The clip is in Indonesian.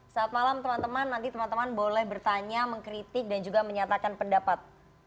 saat malam teman teman nanti teman teman boleh bertanya mengkritik dan juga menyatakan pendapat